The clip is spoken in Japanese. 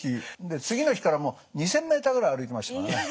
で次の日から２，０００ｍぐらい歩いてましたからね。